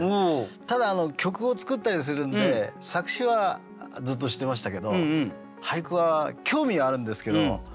ただ曲を作ったりするんで作詞はずっとしてましたけど俳句は興味はあるんですけど無縁ですね。